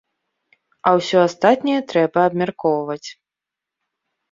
А ўсё астатняе трэба абмяркоўваць.